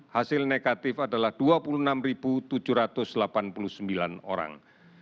hasil negatif adalah dua puluh enam tujuh ratus delapan puluh sembilan orang